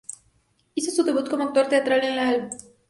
Hizo su debut como actor teatral en en el Volksbühne de Leipzig.